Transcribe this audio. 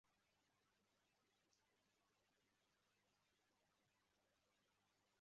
Umugabo uri kuri moped arimo kugenda mumuhanda